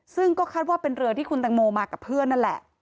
ซึ่งก็คาดว่าเป็นเรือที่คุณตังโมมากับเพื่อนนั่นแหละ